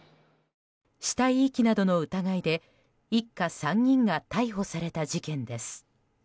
死体遺棄などの疑いで一家３人が逮捕された事件です。